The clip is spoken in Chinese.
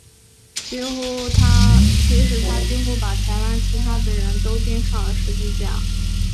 其实他几乎把台湾其他的人都钉上了十字架。